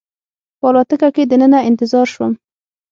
په الوتکه کې دننه انتظار شوم.